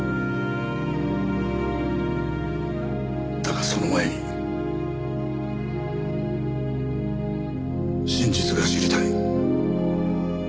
だがその前に真実が知りたい。